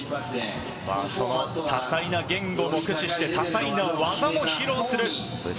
多彩な言語も駆使して多彩な技も披露する。